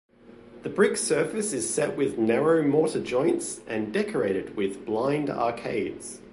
The brick surface is set with narrow mortar joints and decorated with blind arcades.